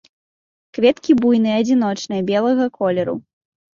Кветкі буйныя, адзіночныя, белага колеру.